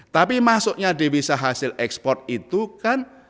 tapi masuknya divisa hasil eksport itu kan